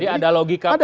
jadi ada logika